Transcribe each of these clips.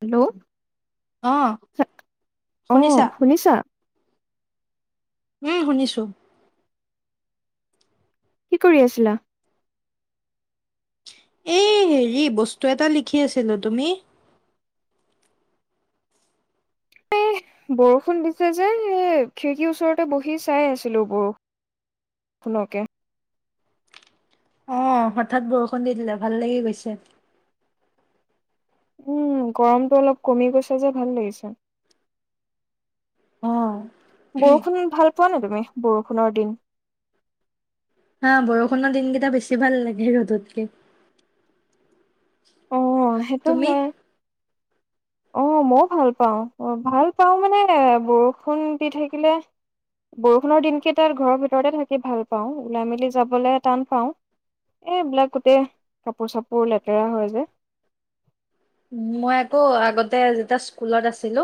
Hello অঁ অ শুনিছা শুনিছা উম শুনিছো কি কৰি আছিলা এই হেৰি বস্তু এটা লিখি আছিলো তুমি এ বৰষুণ দিছে যে এ খিৰিকীৰ ওচৰতে বহি চাই আছিলো বৰষুণ ফুনকে অ হঠাৎ বৰষুণ দি দিলে ভাল লাগি গৈছে উম গৰমটো অলপ কমি গৈছে যে ভাল লাগিছে অঁ বৰষুণ ভাল পোৱা নে তুমি বৰষুণৰ দিন হা বৰষুণৰ দিনকেইটা বেছি ভাল লাগে ৰ'দতকে অ সেইটো তুমি হয় অ মও ভাল পাওঁ অ ভাল পাও মানে বৰষুণ দি থাকিলে বৰষুণৰ দিনকেইটাত ঘৰৰ ভিতৰতে থাকি ভাল পাওঁ ওলাই মেলি যাবলে টান পাওঁ এইবিলাকোতে কাপোৰ চাপোৰ লেতেৰা হয় যে মই আকৌ আগতে যেতিয়া স্কুলত আছিলো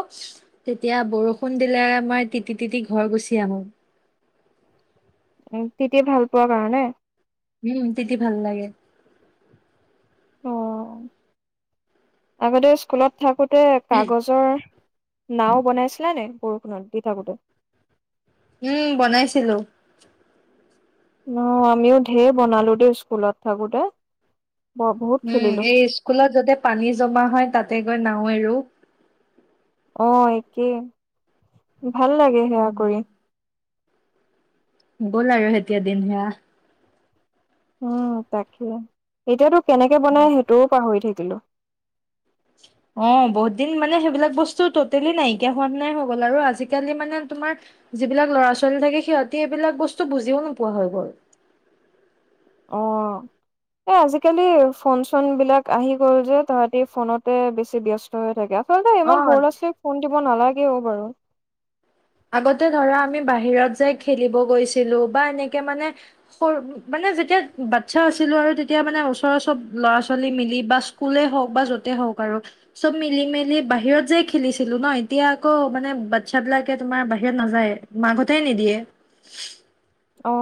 তেতিয়া বৰষুণ দিলে আমাৰ তিতি তিতি ঘৰ গুচি আহো উ তিতি ভাল পোৱাৰ কাৰণে উম তিতি ভাল লাগে অ আগতে স্কুলত থাকোতে কাগজৰ নাও বনাইছিলা নাই বৰষুণত [unintelligible] থাকোঁতে উম বনাইছিলো অ আমিও ঢেৰ বনালো দেই স্কুলত থাকোতে বৰ বহুত উম খেলিলো। এই স্কুলত যতে পানী জমা হয় তাতে গৈ নাও এৰো অ একেই ভাল লাগে সেয়া উম, কৰি গল আৰু এতিয়া দিন সেইয়া উম তাকে এতিয়াতো কেনেকে বনাই সেইটোও পাহৰি থাকিলো অ বহুত দিন মানে সেইবিলাক বস্তু টোটেলি নাইকিয়া হোৱা নিচিনাই হৈ গল আৰু আজিকালি মানে তোমাৰ যিবিলাক ল'ৰা ছোৱালী থাকে সিহঁতে এইবিলাক বস্তু বুজিও নোপোৱা হয় গল অ এ আজিকালি ফোন চোন বিলাক আহি গ'ল যে তহতি ফোনতে বেছি ব্যস্ত [unintelligible] থাকে আচলতে অ ইমান সৰু ল'ৰা ছোৱালীক ফোন দিব নালাগেও বাৰু আগতে ধৰা আমি বাহিৰত যায় খেলিব গৈছিলো বা এনেকে মানে সৰু মানে যেতিয়া বাচ্ছা আছিলো আৰু তেতিয়া মানে ওচৰৰ চব ল'ৰা ছোৱালী মিলি বা স্কুলে হওক বা য'তেই হওক আৰু চব মিলি মেলি বাহিৰত যাই খেলিছিলো ন এতিয়া আকৌ মানে বাচ্ছ বিলাক এতিয়া তোমাৰ বাহিৰত নাযায়েই মাকহঁতে নিদিয়ে অ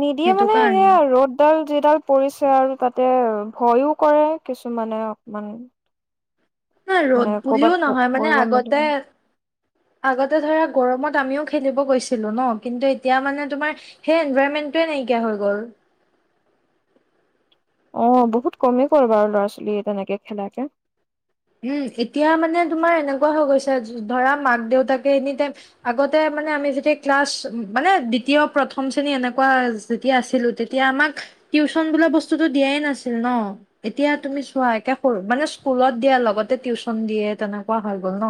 নিদিয়ে সেইটো মানে কাৰণে এয়া ৰ'দ ডাল যিডাল পৰিছে আৰু তাতে ভয়ো কৰে কিছুমানে অকমান [inaudible] নাই মানে ৰ'দ কৰ'বাত বুলিও নহয় মানে পৰিব মেলিব আগতে আগতে ধৰা গৰমত আমিও খেলিব গৈছিলো ন কিন্তু এতিয়া মানে তোমাৰ সেই এনভাৰণমেণ্টোয়ে নাইকিয়া হৈ গ'ল। অ' বহুত কমি গল বাৰু ল'ৰা-ছোৱালী তেনেকে খেলাকে। উম, এতিয়া মানে তোমাৰ এনেকুৱা হৈ গৈছে ধৰা মাক-দেউতাকে এনি টাইম আগতে মানে আমি যেতিয়া ক্লাছ মানে দ্বিতীয়-প্ৰথম শ্ৰেণী এনেকুৱা। যেতিয়া আছিলোঁ তেতিয়া আমাক টিউচন বোলা বস্তুটো দিয়াই নাছিল ন, এতিয়া তুমি চোৱা একে সৰু মানে স্কুলত এতিয়া লগতে টিউচন দিয়ে তেনেকুৱা হৈ গ'ল ন।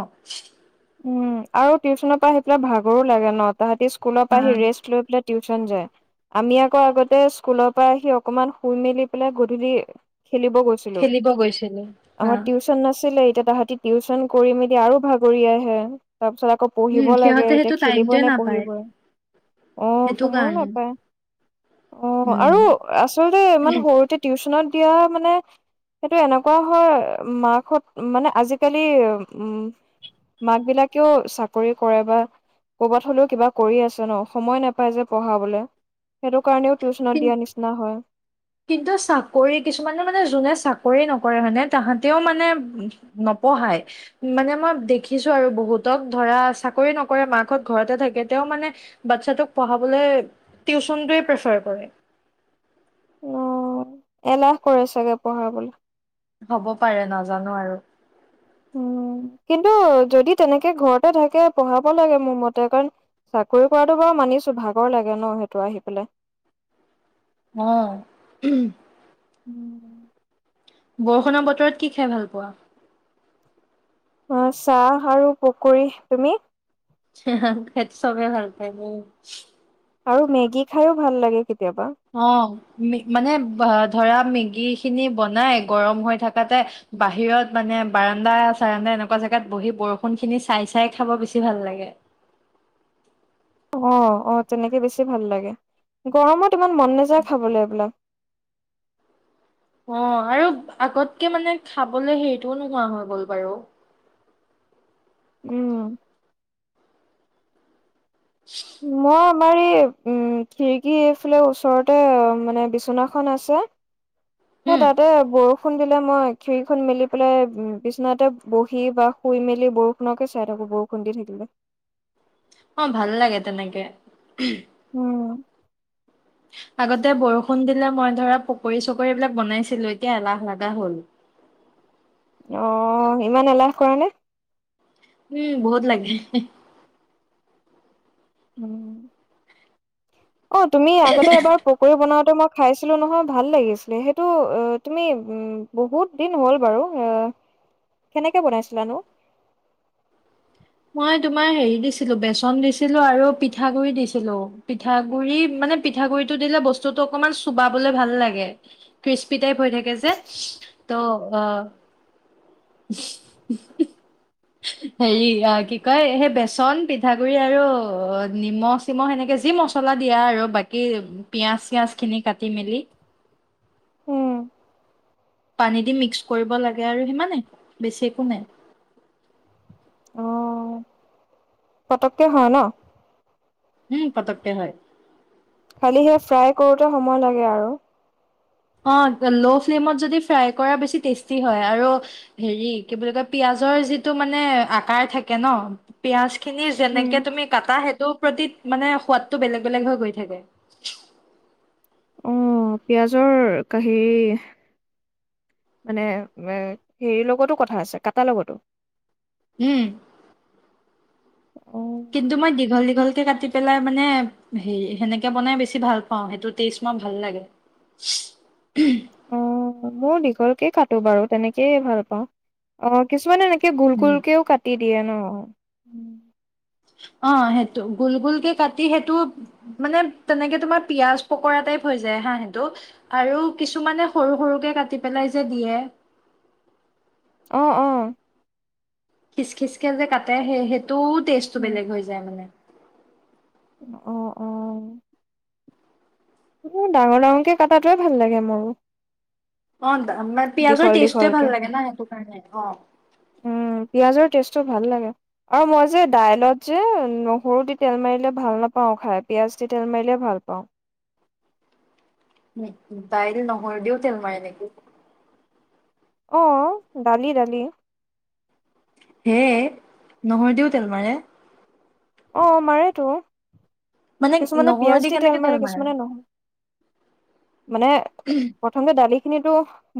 উম, আৰু টিউচনৰ পৰা আহি পেলাই ভাগৰো লাগে ন। তাহাঁতি স্কুলৰ হা পৰা আহি ৰেষ্ট লৈ পেলাই টিউচন যায়। আমি আকৌ আগতে স্কুলৰ পৰা আহি অকমান শুই মেলি পেলাই গধূলি খেলিব গৈছি ছিলো খেলিব গৈছিলো হা আমাৰ টিউচন নাছিলে এতিয়া তাহাতি টিউচন কৰি মেলি আৰু ভাগৰি আহে। তাৰ পিছত আকৌ পঢ়িব উম লাগে, সিহঁতে এতিয়া সেইটো খেলিবই টাইমটোৱে নে নাপায় পঢ়িবই আহ' সেইটো সময়ো কাৰণে নাপায়। অ' আৰু উম আচলতে ইমান সৰুতে টিউচনত দিয়া মানে সেইটো এনেকুৱা হয়, মাকহঁত মানে আজিকালি--উম! মাক বিলাকেও চাকৰি কৰে বা ক'ৰবাত হ'লেও কিবা কৰি আছে ন সময় নাপাই যে পঢ়াবলে। সেইটো কাৰণেও টিউচনত কিন দিয়া নিচিনা হয়। কিন্তু চাকৰি কিছুমানে মানে যোনে চাকৰি নকৰে মানে তাহাঁতেও মানে নপঢ়ায়। মানে মই দেখিছো আৰু বহুতক ধৰা চাকৰি নকৰে মাকহঁত ঘৰতে থাকে। তেওঁ মানে বাচ্ছাটোক পঢ়াবলে টিউচনটোৱে প্ৰিফাৰ কৰে। অ' এলাহ কৰে চাগে পঢ়াবলে। হ'ব পাৰে নাজানো আৰু। উম, কিন্তু যদি তেনেকে ঘৰতে থাকে পঢ়াব লাগে মোৰ মতে। কাৰণ, চাকৰি কৰাটো বাৰু মানিছো ভাগৰ লাগে ন, সিহঁতৰ আহি পেলাই। অঁ। উম। বৰষুণৰ বতৰত কি খাই ভাল পোৱা? মই চাহ আৰু পকৰি। তুমি? সেইটো চবে ভাল পায়। আৰু মেগী খাইয়ো ভাল লাগে কেতিয়াবা। অহ, মানে ধৰা মেগী খিনি বনাই গৰম হৈ থকাতে বাহিৰত মানে বাৰাণ্ডা-চাৰাণ্ডা এনেকুৱা জেগাত বহি বৰষুন খিনি চাই চাই খাব বেছি ভাল লাগে। অ' অ' তেনেকে বেছি ভাল লাগে গৰমত ইমান মন নেযায় খাবলৈ এইবিলাক। অহ' আৰু আগতকে মানে খাবলে হেৰিটোও নোহোৱা হৈ গ'ল বাৰু। উম। [inaudible] মই আমাৰ এই উম খিৰিকী এইফালে ওচৰতে মানে বিচনা এখন আছে। সেই উম তাতে বৰষ ষুণ দিলে মই খিৰিকীখন মেলি পেলাই বিছনাতে বহি বা শুই মেলি বৰষুণকে চাই থাকোঁ। বৰষু ষুণ দি থাকিলে। অ' ভাল লাগে তেনেকে। উম। আগতে বৰষুণ দিলে মই ধৰা পকৰি-চকৰি এই বিলাক বনাইছিলো, এতিয়া এলাহ লাগা হ'ল। অহ ইমান এলাহ কৰা নে? উম বহুত লাগে। উম, অ তুমি আগতে এবাৰ পকৰী বনাওতে মই খাইছিলো নহয় ভাল লাগিছিলে, সেইটো অ তুমি উম বহুত দিন হ'ল বাৰু আহ কেনেকে বনাইছিলানো? মই তোমাৰ হেৰি দিছিলো বেচন দিছিলো আৰু পিঠাগুৰি দিছিলো, পিঠাগুৰি মানে পিঠাগুৰিটো দিলে বস্তুটো অকমান চুবাবলৈ ভাল লাগে। ক্ৰিস্পি টাইপ হৈ থাকে যে, ত' অ [unintelligible] হেৰি আহ কি কয় সেই বেচন পিঠাগুৰি আৰু অ নিমখ চিমখ সেনেকে যি মচ মচলা দিয়া আৰু বাকী পিয়াজ চিয়াজখিনি কাটি মেলি। উম। পানী দি মিক্স কৰিব লাগে আৰু সিমানে, বেছি একো নাই। অহ পতককে হয় ন? উম পতককে হয়। খালি সে ফ্ৰাই কৰোতে সময় লাগে আৰু। অহ লো ফ্লেমত যদি ফ্ৰাই কৰা বেছি টেষ্টি হয় আৰু হেৰি কি বুলি কয় পিয়াজৰ যিটো মানে আকাৰ থাকে ন পিয়াজখিনি উম, যেনেকে তুমি কাটা সেইটোৰ প্ৰতি মানে সোৱাদটো বেলেগ বেলেগ হৈ গৈ থাকে। অহ পিয়াজৰ কা হেৰি মানে এ হেৰিৰ লগতো কথা আছে কাটাৰ লগতো। উম। অহ। কিন্তু মই দীঘল দীঘলকে কাটি পেলাই মানে হে সেনেকে বনাই বেছি ভাল পাও সেইটো টেষ্ট মই ভাল লাগে। অহ মই দীঘলকে কাটো বাৰু তেনেকেই ভাল পাওঁ। অহ কিছুমানে এনেকে গোল উম, গোলকেও কাটি দিয়ে ন? অহ সেইটো গোল গোলকে কাটি সেইটো মানে তেনেকে তোমাৰ পিয়াজ পকৰা টাইপ হৈ যায় হা সেইটো। আৰু কিছুমানে সৰু সৰুকে কাটি পেলাই যে দিয়ে অহ অহ। খিচ খিচ খে যে কাটে সেই সেইটো টেষ্টটো উম। বেলেগ হৈ যায় মানে। অ অ। ডাঙৰ ডাঙৰকৈ কটাটোৱে ভাল লাগে মোৰ। অ মানে পিয়াজৰ টেষ্টোয়ে দীঘলকে। ভাল লাগে ন সেইটো কাৰণে অ। উম পিয়াজৰ টেষ্টটো ভাল লাগে। আৰু মই যে দাইলত যে নহৰু দি তেল মাৰিলে ভাল নাপাওঁ খাই পিয়াজ দি তেল মাৰিলে ভাল পাওঁ। বাইল নহৰুদিউ তেল মাৰে নেকি? অ দালি দালি। হে নহৰু দিওঁ তেল মাৰে? অ মাৰেতো, কিছুমানে পিয়াজ দি তেল মাৰে কিছুমানে নহ মানে [unintelligible] প্ৰথমতে দালিখিনিতো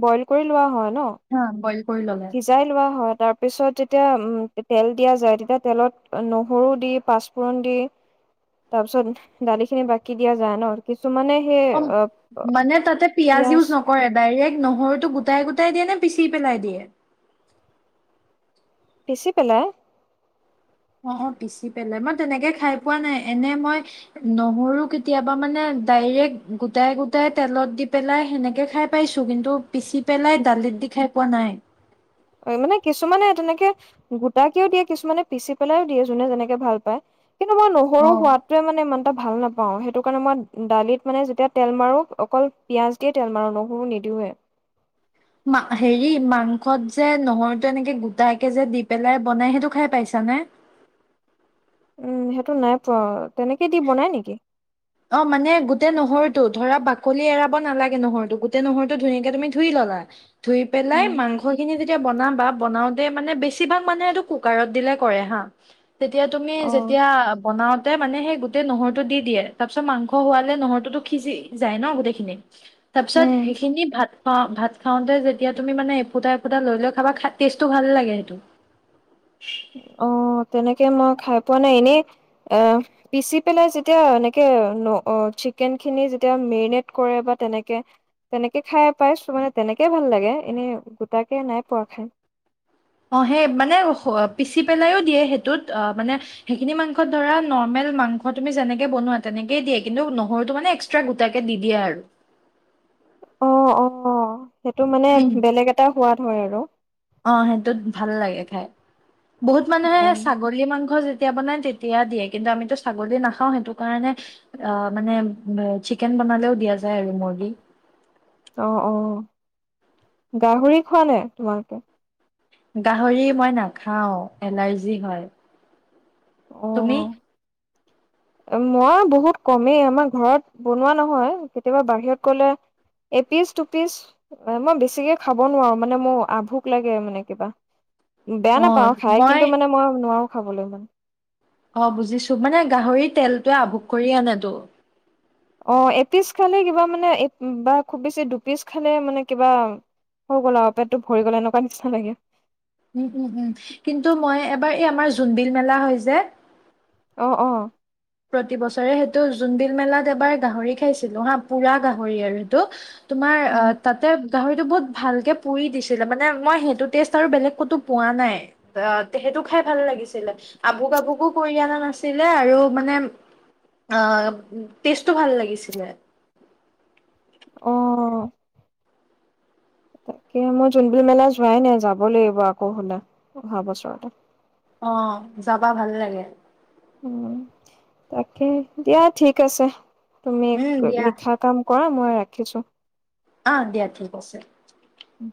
বইল কৰি লোৱা হয় ন। হা বইল কৰি ল'লে। সিজাই লোৱা হয়, তাৰপিছত যেতিয়া তেল দিয়া যায় তেতিয়া তেলত নহৰু দি পাঁচপোৰণ দি তাৰ পিছত দালি খিনি বাকি দিয়া যায় ন, কিছুমানে সেই অঁ অ' মানে তাতে পিয়াজি পিয়াজ ইউজ নক কৰে ডাইৰেক্ট নহৰুটো গোটাই গোটাই দিয়ে নে, পিচি পেলাই দিয়ে? পিছি পেলাই। অঁ পিচি পেলাই, মই তেনেকে খাই পোৱা নাই এনে মই নহৰু কেতিয়াবা মানে ডাইৰেক্ট গোটাই গোটাই তেলত দি পেলাই সেনেকে খাই পাইছো, কিন্তু পিচি পেলাই দালিত দি খাই পোৱা নাই। অ মানে কিছুমানে তেনেকে গোটাকেও দিয়ে কিছুমানে, পিচি পেলাইও দিয়ে যোনে যেনেকে ভাল পায়। কিন্তু মই নহৰু অ সোৱাদ তে মই ইমান এটা ভাল নাপাও, সেইটো কাৰণে মই দালিত মানে যেতিয়া তেল মাৰো অকল পিয়ঁয়াজ দি তেল মাৰো নহৰু নিদিওঁৱে। মা হেৰি মাংসত যে নহৰুটো এনেকে গোটাকে যে দি পেলাই বনাই সেইটো খাই পাইছ নে? উম সেইটো নাই পোৱা, তেনেকে দি বনাই নেকি? অঁ, মানে গোটেই নহৰুটো ধৰা বাকলি এৰাব নালাগে নহৰুটো গোটেই নহৰুটো ধুনীয়াকে তুমি ধুই ললা। ধুই পেলাই মাংসখিনি যেতিয়া বনাবা বনাও তে মানে বেছিভাগ মানে এইটো কুকাৰত দিলে কৰে হা, তেতিয়া তুমি অ', যেতিয়া বনাও তে মানে সেই গোটেই নহৰুটো দি দিয়ে। তাৰপিছত মাংস হোৱালে নহৰুটোতো সিজি যায় ন গোটেইখিনি, তাৰ পিছত সেইখিনি ভাত অঁ ভাত খাওঁতে যেতিয়া তুমি মানে এফুটা এফুটা লৈ লৈ খাবা টেষ্টটো ভালে লাগে সেইটো। [inaudible] অঁ তেনেকে মই খাই পোৱা নাই, এনেই এ পিচি পেলাই যেতিয়া এনেকে অঁ চিকেন খিনি যেতিয়া মেৰিনেট কৰে বা তেনেকে তেনেকে খাই পাইছো মানে, তেনেকে ভাল লাগে এনেই গোটাকে নাই পোৱা খাই। অঁ সেই মানে পিচি পেলাইয়ো দিয়ে, সেইটোত মানে সেইখিনি মাংসত ধৰা নৰ্মেল মাংস তুমি যেনেকে বনোৱা তেনেকে দিয়ে, কিন্তু নহৰুটো মানে এক্সট্ৰা গোটাকে দি দিয়ে আৰু। অঁ অঁ, সেইটো মানে বেলেগ এটা সোৱাদ হয় আৰু। অঁ সেইটোত ভাল লাগে খাই, বহুত মানুহে অ', ছাগ লী মাংস যেতিয়া বনাই তেতিয়া দিয়ে। কিন্তু আমিতো ছাগলী নাখাওঁ সেইটো কাৰণে অঁ মানে চিকেন বনালেও দিয়া যায় আৰু মৰ্গী। অঁ অঁ, গাহৰি খোৱা নাই তোমালোকে? গাহৰি মই নাখাও এলাৰ্জি হয়। তুমি? মোৰো বহুত কমেই আমাৰ ঘৰত বনোৱা নহয়, কেতিয়াবা বাহিৰত গলে এ পিচ দু পিচ মই বেছিকে খাব নোৱাৰো, মানে মোৰ আভুোক লাগে মানে কিবা। বেয়া অ নাপাও খাই, কিন্তু মানে মই নোৱাৰো খাবলে ইমান। অঁ বুজিছো, মানে গাহৰিৰ তেলটোৱে আভোগ কৰি আনেতো। অঁ এপিচ খালে কিবা মানে বা খুব বেছি দুপিচ খালে মানে কিবা হৈ গ'ল আৰু পেটত ভৰি গ'ল এনেকুৱা নিচিনা লাগে। উম উম উম, কিন্তু মই এবাৰ এই আমাৰ জোনবিল মেলা হয় যে অঁ অঁ প্ৰতি বছৰে, সেইটো জোনবিল মেলাত এবাৰ গাহৰি খাইছিলো হা পুৰা গাহৰি আৰু সেইটো, তোমাৰ অঁ উম, তাতে গাহৰিটো বহুত ভালকে পুৰি দিছিলে, মানে মই সেইটো টেষ্ট আৰু বেলেগ ক'তো পোৱা নাই। অ তেহেঁতটো খাই ভাল লাগিছিলে, আভোক আভোকো কৰি অনা নাছিলে আৰু মানে আ, টেষ্টটো ভাল লাগিছিলে। অ। তাকে মই যোনবিল মেলা যোৱাই নাই। যাব লাগিব আকৌ হলে, অহা বছৰ অ, যাবা ভাল লাগে। উম। তাকে দিয়া ঠিক আছে, তুমি উম, দিয়া লিখা কাম কৰা, মই ৰাখিছো অহ, দিয়া ঠিক আছে। উম।